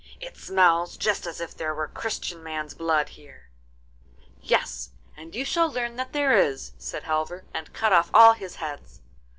'It smells just as if there were Christian man's blood here!' 'Yes, you shall learn that there is!' said Halvor, and cut off all his heads.